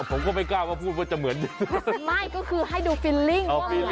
ผมก็ไม่กล้าพูดว่าจะเหมือน